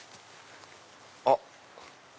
あっ！